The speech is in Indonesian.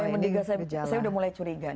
saya sudah mulai mendega saya sudah mulai curiga